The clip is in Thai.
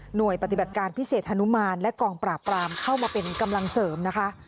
ปฏิบัติการพิเศษฮนุมานและกองปราบปรามเข้ามาเป็นกำลังเสริมนะคะ